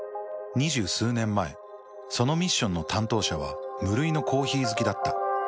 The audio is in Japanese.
２０数年前そのミッションの担当者は無類のコーヒー好きだった。